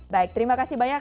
baik terima kasih banyak